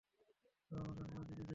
এবং ওর জন্য জীবন দিয়ে দিতে চাই।